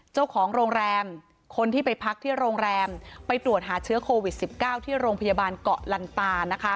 เจ้าของโรงแรมคนที่ไปพักที่โรงแรมไปตรวจหาเชื้อโควิด๑๙ที่โรงพยาบาลเกาะลันตานะคะ